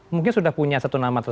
mungkin sudah punya satu nama